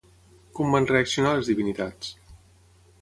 Com van reaccionar les divinitats?